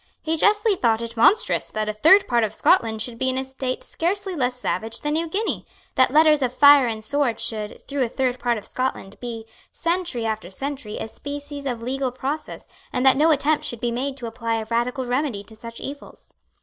He justly thought it monstrous that a third part of Scotland should be in a state scarcely less savage than New Guinea, that letters of fire and sword should, through a third part of Scotland, be, century after century, a species of legal process, and that no attempt should be made to apply a radical remedy to such evils.